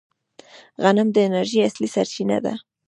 غنم د انرژۍ اصلي سرچینه ده.